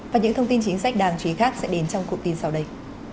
và những thông tin chính sách đàng trí khác sẽ đến trong cuộc tin sau đây